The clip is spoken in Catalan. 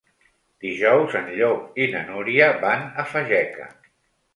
Dijous en Llop i na Núria van a Fageca.